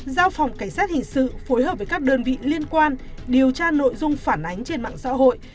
giao phòng cảnh sát hình sự phối hợp với các đơn vị liên quan điều tra nội dung phản ánh trên mạng xã hội